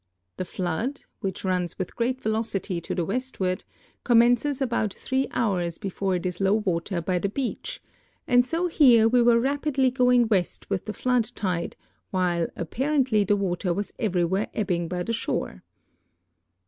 The flood, which runs with great velocity to the westward, rom mences about three hours before it is low water l)y the beach, and so here we were rapidly going west Avith the flood tide while apparently the water was everywhere ebbing b}' the shore.